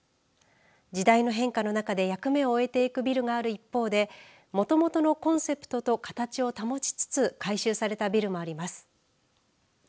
時代の変化の中で役目を終えていくビルがある一方でもともとのコンセプトと形を保ちつつ改修されたビルもあります。